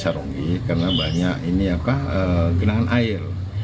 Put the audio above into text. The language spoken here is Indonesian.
di saronggi karena banyak genangan air